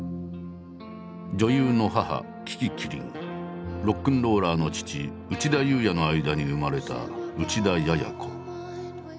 女優の母樹木希林ロックンローラーの父内田裕也の間に生まれた内田也哉子。